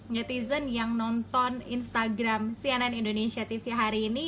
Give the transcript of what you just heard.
netizen yang nonton instagram cnn indonesia tv hari ini